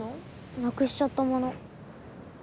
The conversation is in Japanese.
なくしちゃったもの。